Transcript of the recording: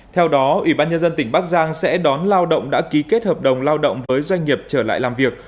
theo đó ủy ban nhân dân tỉnh bắc giang sẽ đón lao động đã ký kết hợp đồng lao động với doanh nghiệp trở lại làm việc